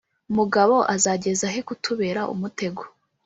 Mugabo azageza he kutubera umutego